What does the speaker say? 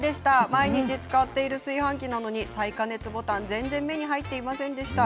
毎日使っている炊飯器なのに再加熱ボタン全然、目に入っていませんでした。